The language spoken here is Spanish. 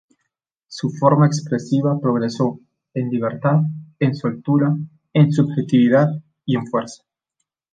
Su forma expresiva progresó en libertad, en soltura, en subjetividad y en fuerza.